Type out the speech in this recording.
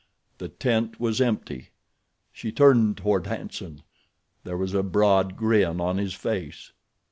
The tent was empty. She turned toward Hanson. There was a broad grin on his face.